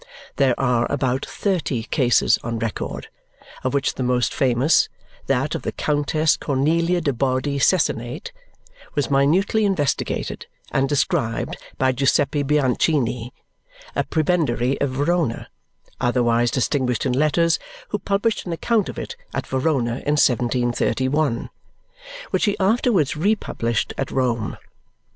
There are about thirty cases on record, of which the most famous, that of the Countess Cornelia de Baudi Cesenate, was minutely investigated and described by Giuseppe Bianchini, a prebendary of Verona, otherwise distinguished in letters, who published an account of it at Verona in 1731, which he afterwards republished at Rome.